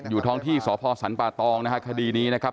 อยู่ท้องที่สศสันปาตองคดีนี้นะครับ